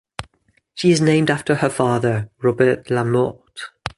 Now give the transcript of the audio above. She is named after her father, Robert LaMorte.